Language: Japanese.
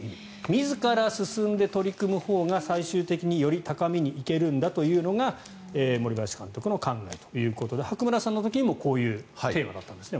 自ら進んで取り組むほうが最終的により高みに行けるんだというのが森林監督の考えということで白村さんの時もこういうテーマだったんですね。